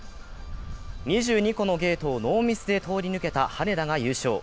２２個のゲートをノーミスで通り抜けた羽根田が優勝。